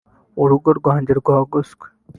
urugo rwanjye rwagoswe